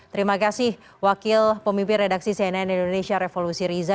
terima kasih wakil pemimpin redaksi cnn indonesia revolusi riza